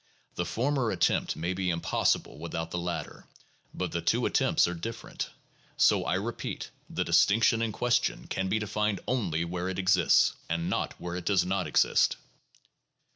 The former attempt may be impossible without the latter, but the two attempts are different. So I repeat, the distinction in question can be denned only where it exists, but not where it does not exist.